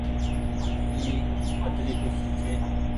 اي ڪتري ڪُرسي ڇي۔